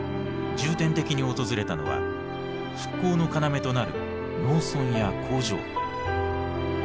重点的に訪れたのは復興の要となる農村や工場。